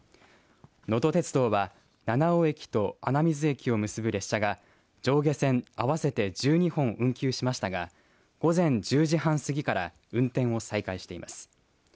のと鉄道は七尾駅と穴水駅を結ぶ列車が上下線合わせて１２本運休しましたが午前１０時半過ぎから運転を再開しています。